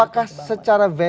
apakah secara versi